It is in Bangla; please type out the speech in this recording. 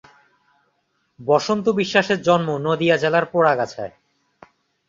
বসন্ত বিশ্বাসের জন্ম নদিয়া জেলার পোড়াগাছায়।